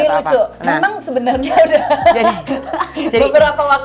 ini lucu memang sebenarnya udah beberapa waktu